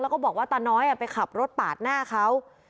แล้วก็บอกว่าตาน้อยไปขับรถปาดหน้าเขา